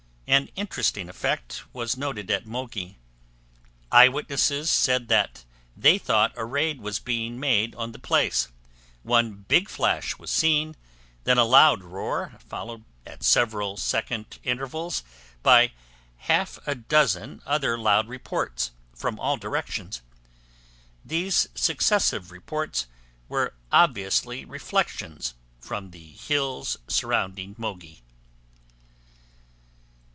An interesting effect was noted at Mogi; eyewitnesses said that they thought a raid was being made on the place; one big flash was seen, then a loud roar, followed at several second intervals by half a dozen other loud reports, from all directions. These successive reports were obviously reflections from the hills surrounding Mogi.